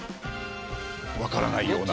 わからないような。